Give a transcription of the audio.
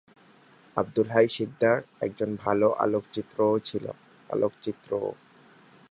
আবদুল হাই শিকদার একজন ভালো আলোকচিত্রীও।